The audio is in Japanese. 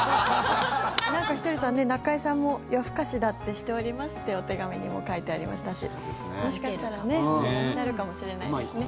ひとりさん、中居さんも夜更かしだってしておりますってお手紙にも書いてありましたしもしかしたらね見てらっしゃるかもしれないですね。